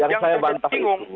yang saya bantah itu